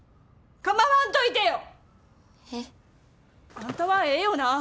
あんたはええよな。